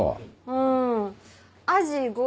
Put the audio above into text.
うん。